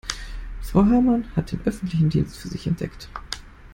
Frau Hamann hat den öffentlichen Dienst für sich entdeckt.